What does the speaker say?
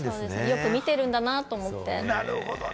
よく見てるんだなと思ってね。